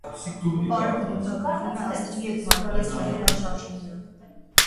Պարը բնութագրվում է ազդրի և մարմնի զգայական շարժումներով։